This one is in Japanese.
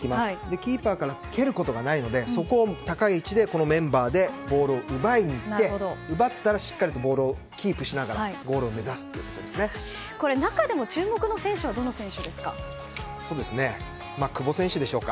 キーパーから蹴ることがないのでそこを高い位置でこのメンバーでボールを奪いに行って奪ったら、しっかりとボールをキープしながら中でも注目の選手は久保選手でしょうか。